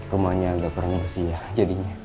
rumahnya agak keren gitu sih ya jadinya